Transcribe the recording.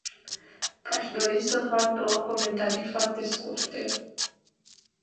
Aș dori să fac două comentarii foarte scurte.